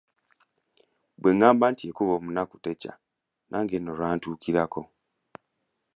Naye nga bwe bagamba nti; "ekuba omunaku tekya." nange nno lwantuukirako.